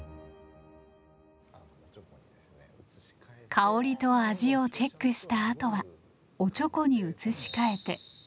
香りと味をチェックしたあとはおちょこに移し替えて。